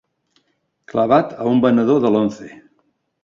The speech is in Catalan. Clavat a un venedor de l'Once.